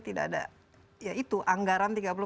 tidak ada ya itu anggaran